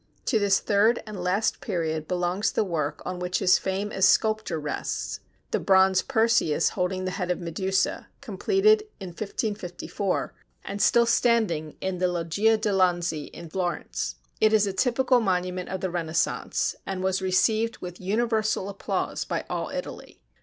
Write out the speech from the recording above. To this third and last period belongs the work on which his fame as sculptor rests, the bronze Perseus holding the head of Medusa, completed in 1554 and still standing in the Loggia de' Lanzi in Florence. It is a typical monument of the Renaissance, and was received with universal applause by all Italy.